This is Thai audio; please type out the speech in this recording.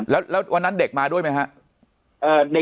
แล้ววันนั้นเด็กมาด้วยไหมครับ